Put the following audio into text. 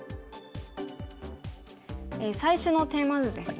最初のテーマ図ですね。